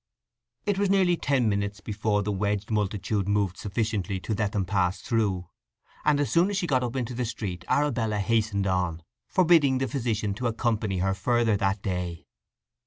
It was nearly ten minutes before the wedged multitude moved sufficiently to let them pass through. As soon as she got up into the street Arabella hastened on, forbidding the physician to accompany her further that day.